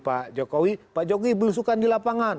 pak jokowi pak jokowi belusukan di lapangan